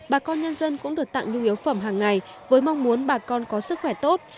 bà con nhân dân cũng được tặng nhu yếu phẩm hàng ngày với mong muốn bà con có sức khỏe tốt